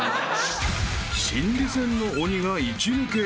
［心理戦の鬼が一抜け］